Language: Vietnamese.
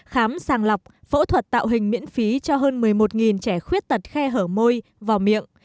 khám sàng lọc phẫu thuật tạo hình miễn phí cho hơn một mươi một trẻ khuyết tật khe hở môi vào miệng